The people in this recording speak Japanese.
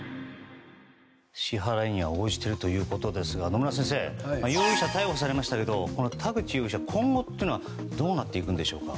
支払いには応じているということですが野村先生容疑者は逮捕されましたが田口容疑者の今後はどうなっていくんでしょうか。